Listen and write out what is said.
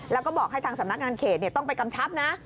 แล้วก็บอกให้ทางสำนักงานเขตต้องไปกำชับนะ